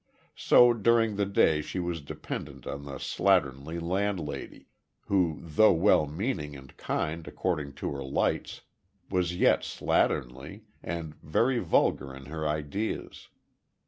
So during the day she was dependent on the slatternly landlady who though well meaning and kind according to her lights, was yet slatternly, and very vulgar in her ideas.